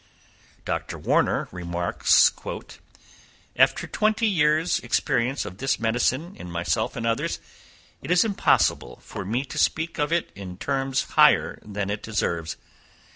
Dr. Warner remarks, "after twenty years' experience of this medicine in myself and others, it is impossible for me to speak of it in terms higher than it deserves.